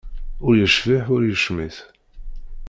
Ur yecbiḥ ur yecmit.